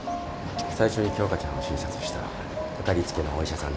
最初に鏡花ちゃんを診察したかかりつけのお医者さんの所。